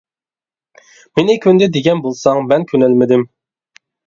مېنى كۆندى دېگەن بولساڭ مەن كۆنەلمىدىم.